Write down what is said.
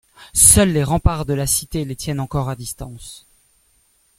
Seuls les remparts de la cité les tiennent encore à distance.